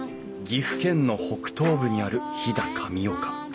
岐阜県の北東部にある飛騨神岡。